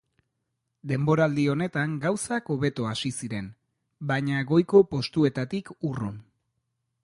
Denboraldi honetan gauzak hobeto hasi ziren, baina goiko postuetatik urrun.